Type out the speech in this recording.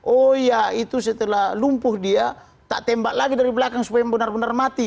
oh iya itu setelah lumpuh dia tak tembak lagi dari belakang supaya benar benar mati